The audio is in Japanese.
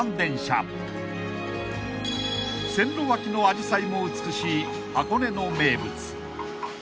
［線路脇のアジサイも美しい箱根の名物］